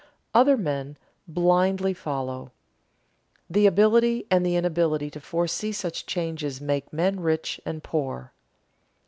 Other men blindly follow. The ability and the inability to foresee such changes make men rich and poor.